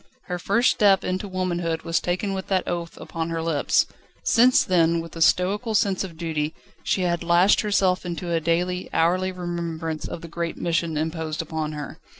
Her first step into womanhood was taken with that oath upon her lips; since then, with a stoical sense of duty, she had lashed herself into a daily, hourly remembrance of the great mission imposed upon her.